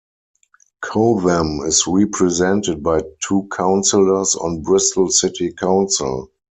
Cotham is represented by two councillors on Bristol City Council.